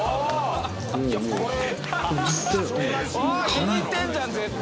気に入ってんじゃん絶対。